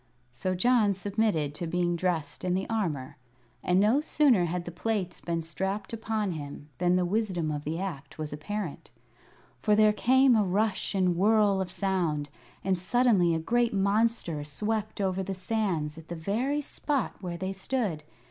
So John submitted to being dressed in the armor, and no sooner had the plates been strapped upon him than the wisdom of the act was apparent. For there came a rush and whirl of sound, and suddenly a great monster swept over the sands at the very spot where they stood.